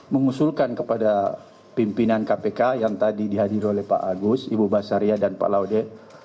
mengusulkan kepada pimpinan kpk yang tadi dihadir oleh pak agus ibu basaria dan pak laude